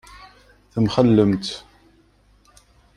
Temxellemt.